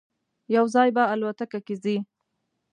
یو ځای به الوتکه کې ځی.